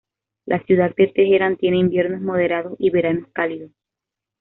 La ciudad de Teherán tiene inviernos moderados y veranos cálidos.